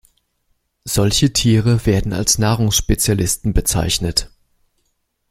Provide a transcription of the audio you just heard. Solche Tiere werden als Nahrungsspezialisten bezeichnet.